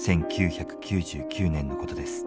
１９９９年のことです。